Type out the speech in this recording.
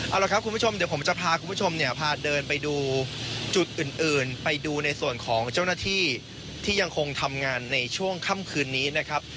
เอาละครับคุณผู้ชมเดี๋ยวผมจะพาคุณผู้ชมเนี่ยพาเดินไปดูจุดอื่นไปดูในส่วนของเจ้าหน้าที่ที่ยังคงทำงานในช่วงค่ำคืนนี้นะครับ